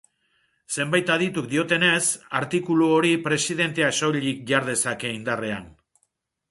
Zenbait adituk diotenez, artikulu hori presidenteak soilik jar dezake indarrean.